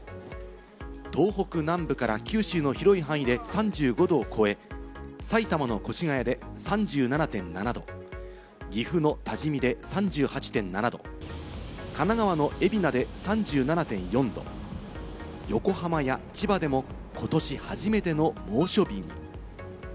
東北南部から九州の広い範囲で３５度を超え、埼玉の越谷で３７．７度、岐阜の多治見で３８．７度、神奈川の海老名で３７．４度、横浜や千葉でも、ことし初めての猛暑日。